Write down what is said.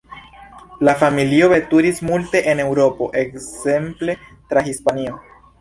La familio veturis multe en Eŭropo, ekzemple tra Hispanio.